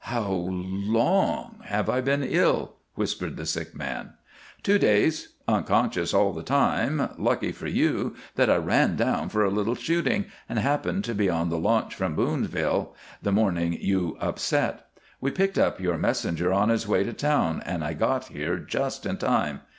"How long have I been ill?" whispered the sick man. "Two days; unconscious all the time. Lucky for you that I ran down for a little shooting and happened to be on the launch from Boonville the morning you upset. We picked up your messenger on his way to town, and I got here just in time.